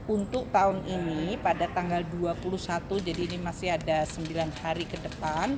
untuk tahun ini pada tanggal dua puluh satu jadi ini masih ada sembilan hari ke depan